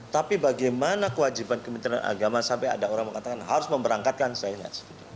tapi bagaimana kewajiban kementerian agama sampai ada orang mengatakan harus memberangkatkan saya lihat